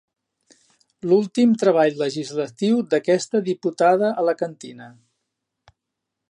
L'últim treball legislatiu d'aquesta diputada alacantina.